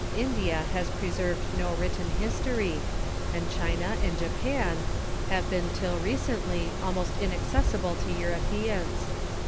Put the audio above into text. India has preserved no written history: and China and Japan have been till recently almost inaccessible to Europeans.